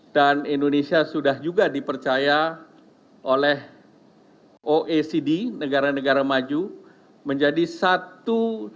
dan indonesia sudah juga dipercaya oleh oecd negara negara maju menjadi satu